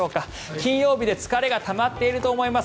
金曜日で疲れがたまっていると思います。